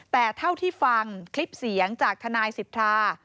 แต่เท่าที่ฟังคลิปเสียงจากทนายสิทธา